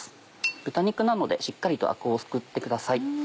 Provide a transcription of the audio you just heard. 豚肉なのでしっかりとアクをすくってください。